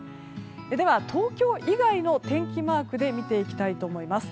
では、東京以外の天気マークで見ていきたいと思います。